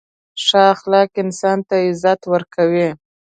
• ښه اخلاق انسان ته عزت ورکوي.